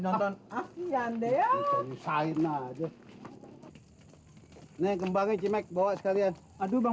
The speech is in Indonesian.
nonton nonton akhirnya deh ya saya ada hai nengkembangnya cimek bawa sekalian aduh bang